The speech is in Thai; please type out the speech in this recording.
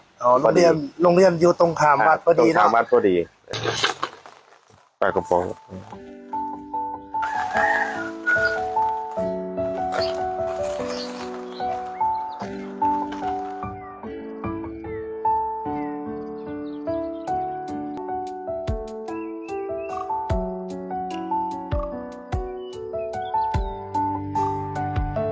โรงเรียนโรงเรียนอยู่ตรงขามวัดก็ดีตรงขามวัดก็ดีไปกับพ่อ